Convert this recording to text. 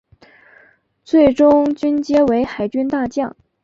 最终军阶为海军大将。